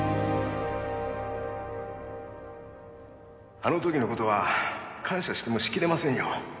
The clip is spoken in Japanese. あの時の事は感謝してもしきれませんよ。